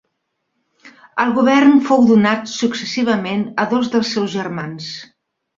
El govern fou donat successivament a dos dels seus germans.